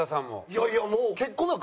いやいやもう。